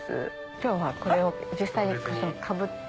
今日はこれを実際にかぶって。